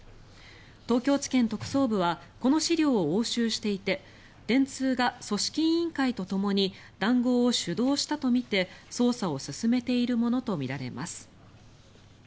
東京地検特捜部はこの資料を押収していて電通が組織委員会とともに談合を主導したとみて捜査を進めているものとみられます。